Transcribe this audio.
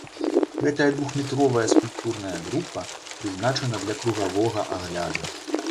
Гэтая двухметровая скульптурная група прызначана для кругавога агляду.